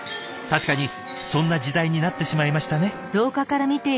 確かにそんな時代になってしまいましたね。